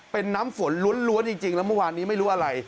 เป็นน้ำฝนล้วนจริงแล้วเมื่อวานนี้ไม่รู้อะไร